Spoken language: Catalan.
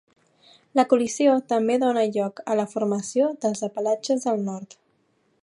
La col·lisió també donà lloc a la formació dels Apalatxes del nord.